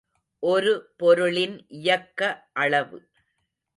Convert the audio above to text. ஒரு பொருளின் இயக்க அளவு.